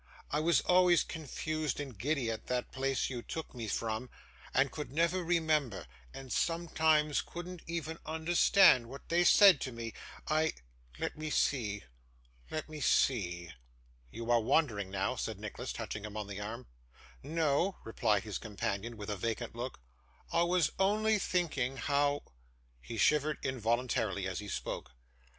I was always confused and giddy at that place you took me from; and could never remember, and sometimes couldn't even understand, what they said to me. I let me see let me see!' 'You are wandering now,' said Nicholas, touching him on the arm. 'No,' replied his companion, with a vacant look 'I was only thinking how ' He shivered involuntarily as he spoke.